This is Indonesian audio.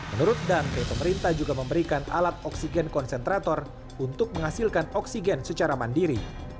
menurut dante pemerintah juga memberikan alat oksigen konsentrator untuk menghasilkan oksigen secara mandiri